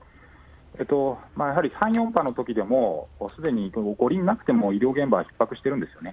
やはり３、４波のときでも、すでに五輪なくても、医療現場はひっ迫しているんですよね。